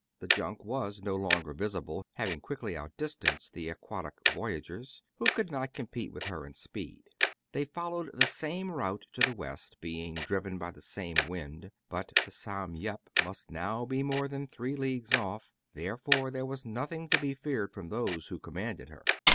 The junk was no longer visible, having quickly outdistanced the aquatic voyagers, who could not compete with her in speed. They . followed the same route to the west, being driven by the same wind ; but the "Sam Yep" must now be more than three leagues off : therefore there was nothing to be feared from those who commanded her.